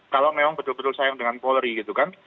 kalau memang betul betul sayang dengan polri gitu kan